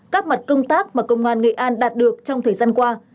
các mặt công tác mà công an nghệ an đạt được trong thời gian qua